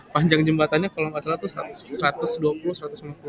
panjang jembatannya kalau gak salah tuh